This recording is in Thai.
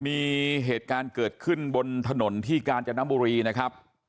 มีเหตุการณ์เกิดขึ้นบนถนนที่กาญจนบุรีนะครับ